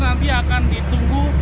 nanti akan ditunggu